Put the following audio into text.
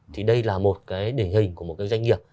thì đây là một cái điển hình của một cái doanh nghiệp